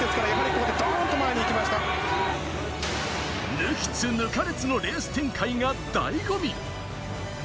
抜きつ抜かれつのレース展開が醍醐味。